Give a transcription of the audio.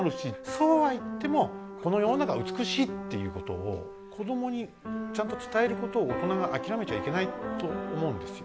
そうは言ってもこの世の中は美しいっていうことを子どもにちゃんと伝えることを大人が諦めちゃいけないと思うんですよ。